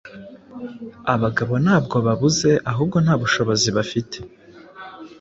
abagabo ntabwo babuze ahubwo ntabushobozi bafite